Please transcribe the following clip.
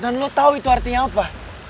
dan lo tau itu artinya apa